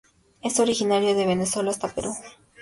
Es originario de Venezuela hasta Perú.